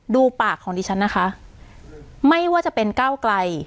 ดูปากของดิฉันนะคะไม่ว่าจะเป็นก้าวไกล